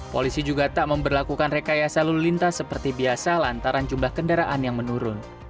polisi juga tak memperlakukan rekayasa lalu lintas seperti biasa lantaran jumlah kendaraan yang menurun